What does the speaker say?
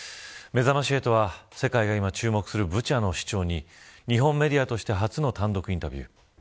めざまし８は世界が今注目するブチャの市長に日本メディアとして初の単独インタビュー。